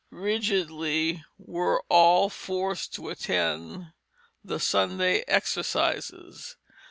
Rigidly were all forced to attend the Sunday exercises.